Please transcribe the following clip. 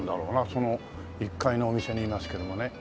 その１階のお店にいますけどもね。